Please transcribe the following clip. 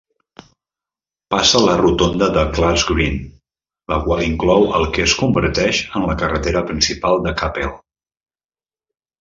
Passa la rotonda de Clark's Green, la qual inclou el que es converteix en la carretera principal de Capel.